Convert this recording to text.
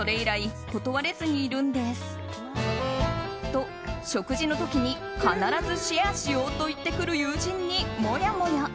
と、食事の時に必ずシェアしようと言ってくる友人に、もやもや。